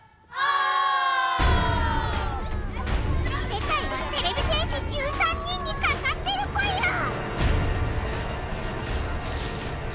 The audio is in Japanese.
せかいはてれび戦士１３人にかかってるぽよ。